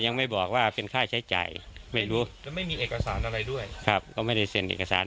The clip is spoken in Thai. ยังไม่บอกว่าเป็นค่าใช้จ่ายไม่รู้แล้วไม่มีเอกสารอะไรด้วยครับก็ไม่ได้เซ็นเอกสาร